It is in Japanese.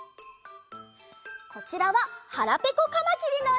こちらは「はらぺこカマキリ」のえ！